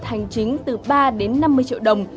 hành chính từ ba đến năm mươi triệu đồng